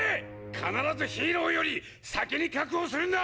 必ずヒーローより先に確保するんだ！！